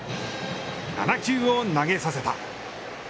７球を投げさせた。